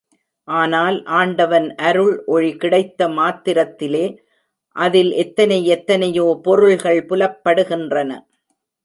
ஆனால் ஆண்டவன் அருள் ஒளி கிடைத்த மாத்திரத்திலே அதில் எத்தனை எத்தனையோ பொருள்கள் புலப்படுகின்றன.